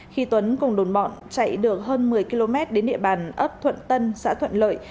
khi tuấn cùng đồn bọn chạy được hơn một mươi km đến địa bàn ấp thuận tân xã thuận lợi